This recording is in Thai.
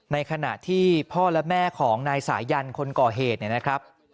ในขณะที่พ่อและแม่ของนายสายันคนก่อเหตุเนี่ยนะครับ